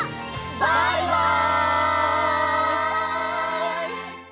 バイバイ！